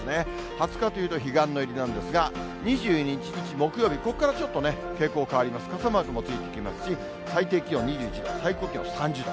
２０日というと、彼岸の入りなんですが、２１日木曜日、ここからちょっとね、傾向変わります、傘マークもついてきますし、最低気温２１度、最高気温３０度。